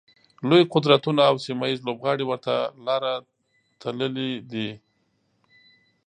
لوی قدرتونه او سیمه ییز لوبغاړي ورته لاره تللي دي.